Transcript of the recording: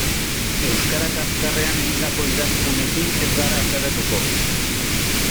Euskara kaxkarrean egindako idazkunekin ez gara haserretuko.